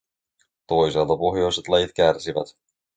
Toisaalta pohjoiset lajit kärsivät.